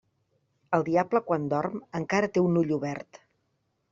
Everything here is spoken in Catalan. El diable quan dorm encara té un ull obert.